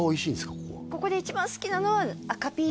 ここはここで一番好きなのはえ！